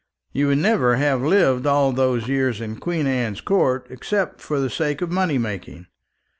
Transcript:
You would never have lived all those years in Queen Anne's Court, except for the sake of money making.